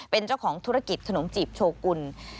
เป็นเจ้าของธุรกิจขนมจีบโชกุล